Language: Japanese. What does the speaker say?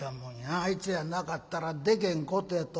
あいつやなかったらでけんことやと思うで。